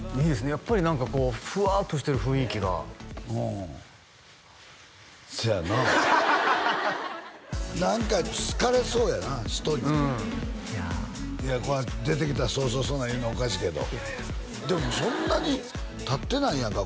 やっぱり何かこうふわっとしてる雰囲気がおおそやな何か好かれそうやな人にうん出てきた早々そんなん言うのおかしいけどいやいやでもそんなにたってないやんか